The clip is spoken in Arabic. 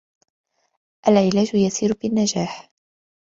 العلاج يسير بنجاح